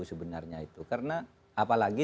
sebenarnya itu karena apalagi